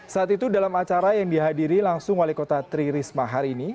saat itu dalam acara yang dihadiri langsung wali kota tri risma hari ini